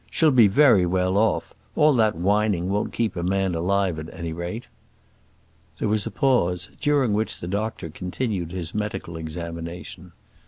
"She'll be very well off. All that whining won't keep a man alive, at any rate." There was a pause, during which the doctor continued his medical examination.